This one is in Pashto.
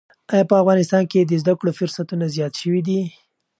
ایا په افغانستان کې د زده کړو فرصتونه زیات شوي دي؟